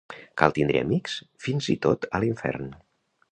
Cal tindre amics fins i tot a l'infern.